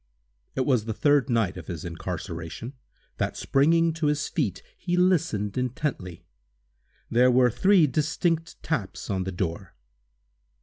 It was the third night of his incarceration, that, springing to his feet, he listened intently. There were three distinct taps on the door.